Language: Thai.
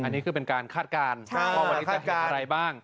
อันนี้คือเป็นการคาดการณ์ว่าวันนี้จะเห็นอะไรบ้าง